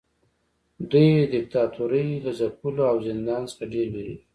دوی د دیکتاتورۍ له ځپلو او زندان څخه ډیر ویریږي.